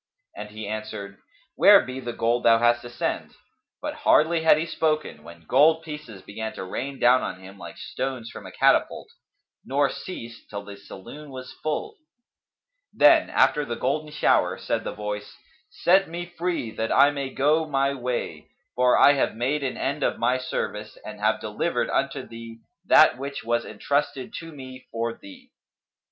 And he answered, "Where be the gold thou hast to send?" But hardly had he spoken, when gold pieces began to rain down on him, like stones from a catapult, nor ceased till the saloon was full. Then, after the golden shower, said the Voice, "Set me free, that I may go my way; for I have made an end of my service and have delivered unto thee that which was entrusted to me for thee."